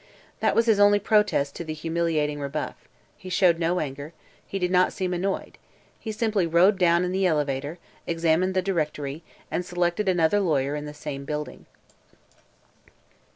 That was his only protest to the humiliating rebuff. He showed no anger. He did not seem annoyed. He simply rode down in the elevator, examined the directory, and selected another lawyer in the same building.